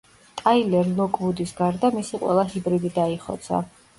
ტაილერ ლოკვუდის გარდა მისი ყველა ჰიბრიდი დაიხოცა.